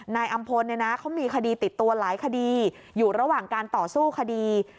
นายอำพลเขามีคดีติดตัวหลายคดีอยู่ระหว่างการต่อสู้คดี